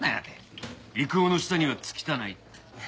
「郁夫の下にはつきたない」って。